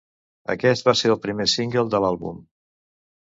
Aquest va ser el primer single de l'àlbum.